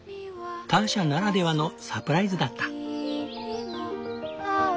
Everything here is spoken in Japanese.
ターシャならではのサプライズだった。